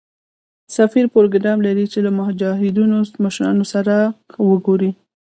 سفیر پروګرام لري چې له مجاهدینو مشرانو سره وګوري.